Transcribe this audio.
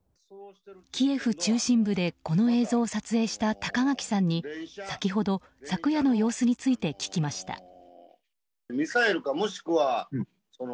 キエフ中心部でこの映像を撮影した高垣さんに先ほど、昨夜の様子について聞きました。